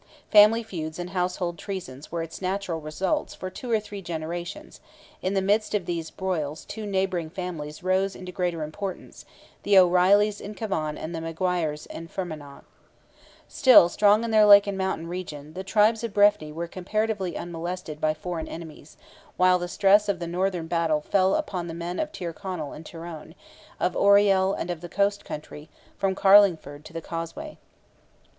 Family feuds and household treasons were its natural results for two or three generations; in the midst of these broils two neighbouring families rose into greater importance, the O'Reillys in Cavan and the Maguires in Fermanagh. Still, strong in their lake and mountain region, the tribes of Breffni were comparatively unmolested by foreign enemies, while the stress of the northern battle fell upon the men of Tyrconnell and Tyrone, of Oriel and of the coast country, from Carlingford to the Causeway.